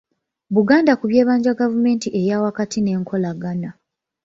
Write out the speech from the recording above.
Buganda ku by'ebbanja Gavumenti eyaawakati n'enkolagana